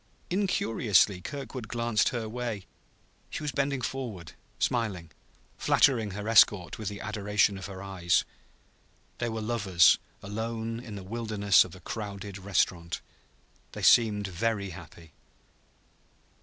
Incuriously Kirkwood glanced her way. She was bending forward, smiling, flattering her escort with the adoration of her eyes. They were lovers alone in the wilderness of the crowded restaurant. They seemed very happy.